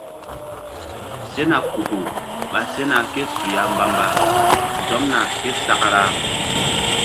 Sena kuku ɓa sena ké su ya mbamba zomna ké sakra.